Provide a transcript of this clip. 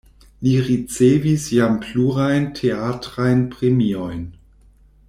Li ricevis jam plurajn teatrajn premiojn.